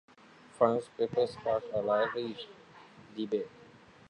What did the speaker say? Frank's paper sparked a "lively debate".